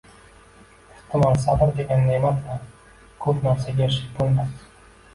Ehtimol sabr degan neʼmat bilan koʻp narsaga erishib boʻlmas.